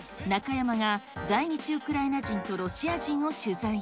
中山が在日ウクライナ人とロシア人を取材。